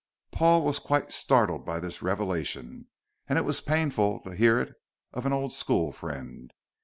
Paul was quite startled by this revelation, and it was painful to hear it of an old school friend.